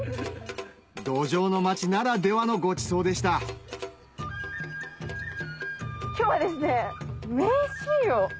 どじょうの町ならではのごちそうでした今日はですね名人を。